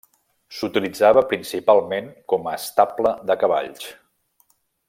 S'utilitzava principalment com a estable de cavalls.